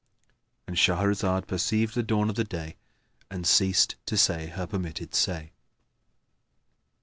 "— And Shahrazad perceived the dawn of day and ceased to say her permitted say.